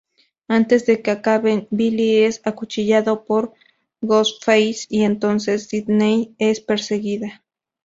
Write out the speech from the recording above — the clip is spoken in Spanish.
Antes de que acaben, Billy es acuchillado por Ghostface y entonces Sidney es perseguida.